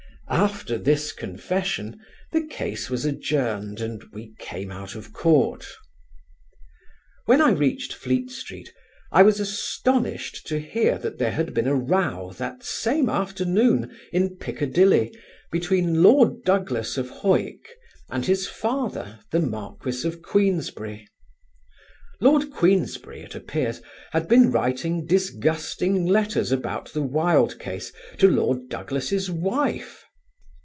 After this confession the case was adjourned and we came out of court. When I reached Fleet Street I was astonished to hear that there had been a row that same afternoon in Piccadilly between Lord Douglas of Hawick and his father, the Marquis of Queensberry. Lord Queensberry, it appears, had been writing disgusting letters about the Wilde case to Lord Douglas's wife.